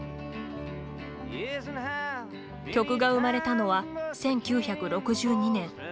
曲が生まれたのは１９６２年。